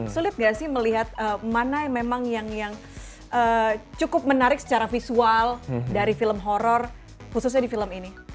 sulit gak sih melihat mana yang memang yang cukup menarik secara visual dari film horror khususnya di film ini